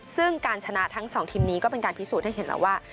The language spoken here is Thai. ซึ่งการชนะทั้งสองทีมนี้ก็เป็นการพิสูจน์ให้เห็นแล้วว่า